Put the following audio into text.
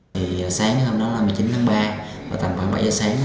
thì sáng hôm đó là hai mươi chín tháng ba và tầm khoảng bảy giờ sáng